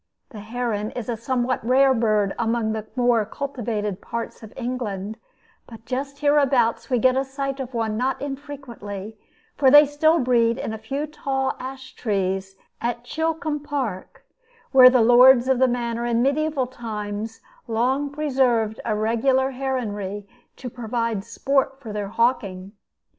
The heron is a somewhat rare bird among the more cultivated parts of England; but just hereabouts we get a sight of one not infrequently, for they still breed in a few tall ash trees at Chilcombe Park, where the lords of the manor in mediaeval times long preserved a regular heronry to provide sport for their hawking.